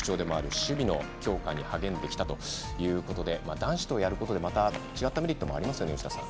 守備の強化に励んできたということで男子とやることでまた違ったメリットもありますね吉田さん。